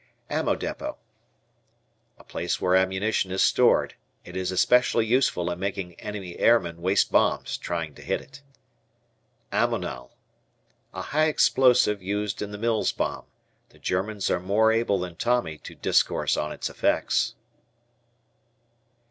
Ammo Depot. A place where ammunition is stored. It is especially useful in making enemy airmen waste bombs trying to hit it. Ammonal. A high explosive used in the Mills bomb. The Germans are more able than Tommy to discourse on its effects.